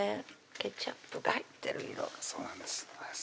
ケチャップが入ってる色そうなんです